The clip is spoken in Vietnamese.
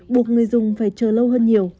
buộc người dùng phải chờ lâu hơn